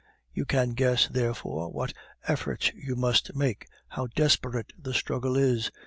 You can guess, therefore, what efforts you must make, how desperate the struggle is.